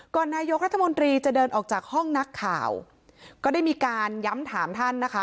นายกรัฐมนตรีจะเดินออกจากห้องนักข่าวก็ได้มีการย้ำถามท่านนะคะ